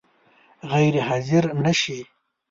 غیر حاضر نه شې؟